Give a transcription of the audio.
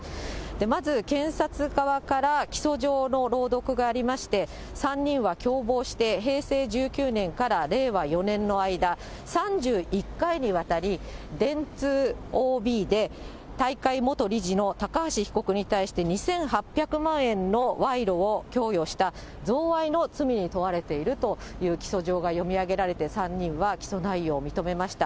まず検察側から起訴状の朗読がありまして、３人は共謀して、平成１９年から令和４年の間、３１回にわたり、電通ＯＢで大会元理事の高橋被告に対して、２８００万円の賄賂を供与した贈賄の罪に問われているという起訴状が読み上げられて、３人は起訴内容を認めました。